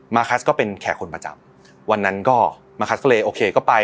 คัสก็เป็นแขกคนประจำวันนั้นก็มาคัสก็เลยโอเคก็ไป